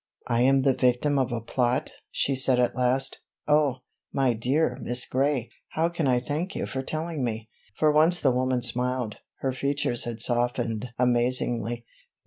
"I am the victim of a plot," she said at last. "Oh, my dear Miss Gray, how can I thank you for telling me?" For once the woman smiled; her features had softened amazingly.